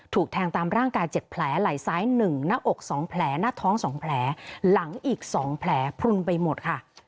ถูกแทงตามร่างกาย๗แผลไหล่ซ้าย๑หน้าอก๒แผลหน้าท้อง๒แผลหลังอีก๒แผลพลุนไปหมดค่ะ